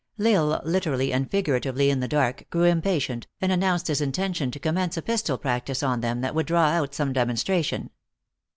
L Isle literally and figuratively in the dark, grew impatient, and announced his intention to com mence a pistol practice on them that would draw out some demonstration.